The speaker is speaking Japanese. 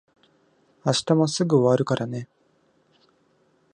明日もすぐ終わるからね。